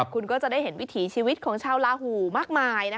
คุณก็จะได้เห็นวิถีชีวิตของชาวลาหูมากมาย